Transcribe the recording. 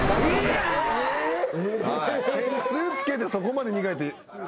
天つゆつけてそこまで苦いって。